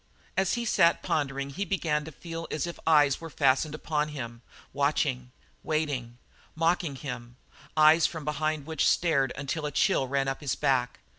As he sat pondering he began to feel as if eyes were fastened upon him, watching, waiting, mocking him, eyes from behind which stared until a chill ran up his back.